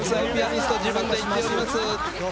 自分で言っております。